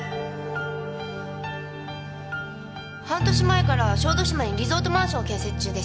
半年前から小豆島にリゾートマンションを建設中です。